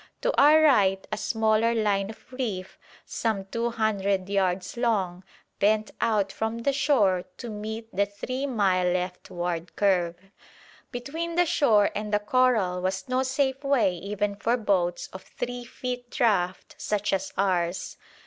To our right a smaller line of reef, some two hundred yards long, bent out from the shore to meet the three mile leftward curve. Between the shore and the coral was no safe way even for boats of three feet draught such as ours.